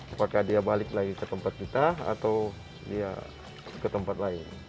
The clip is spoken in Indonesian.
apakah dia balik lagi ke tempat kita atau dia ke tempat lain